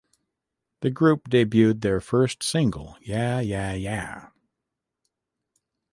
The group debuted their first single Yeah, Yeah, Yeah!